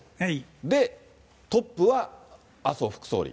で、トップは麻生副総理。